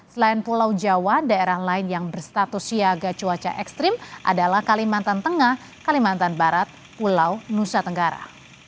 selain pulau jawa daerah lain yang berstatus siaga cuaca ekstrim adalah kalimantan tengah kalimantan barat pulau nusa tenggara